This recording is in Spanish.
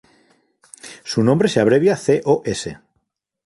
Su nombre se abrevia cos.